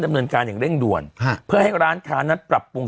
ดำเนินการอย่างเร่งด่วนเพื่อให้ร้านค้านั้นปรับปรุง